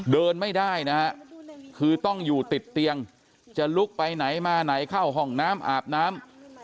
เดินไม่ได้นะฮะคือต้องอยู่ติดเตียงจะลุกไปไหนมาไหนเข้าห้องน้ำอาบน้ำ